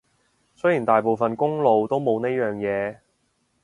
雖然大部分公路都冇呢樣嘢